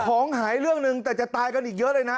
ของหายเรื่องหนึ่งแต่จะตายกันอีกเยอะเลยนะ